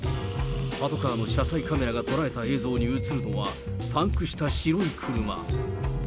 パトカーの車載カメラが捉えた映像に映るのは、パンクした白い車。